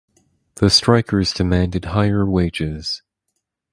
The strikers demanded higher wages.